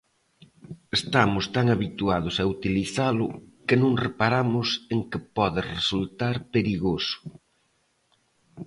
Estamos tan habituados a utilizalo que non reparamos en que pode resultar perigoso.